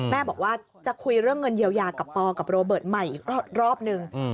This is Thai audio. แม่บอกว่าจะคุยเรื่องเงินเยียวยากับปอกับโรเบิร์ตใหม่อีกรอบนึง